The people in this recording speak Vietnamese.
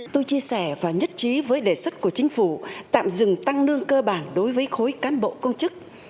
tôi chia sẻ và nhất trí với đề xuất của chính phủ tạm dừng tăng lương cơ bản đối với khối cán bộ công chức